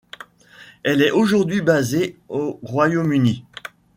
Elle est aujourd'hui basée au Royaume-Uni.